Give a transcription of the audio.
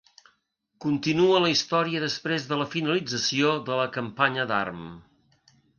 Continua la història després de la finalització de la campanya d'Arm.